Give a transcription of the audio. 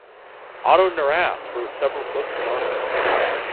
Otto Neurath wrote several books and articles.